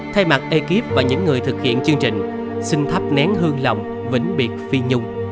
thay mặt ekip và những người thực hiện chương trình xin thắp nén hương lòng vĩnh biệt phi nhung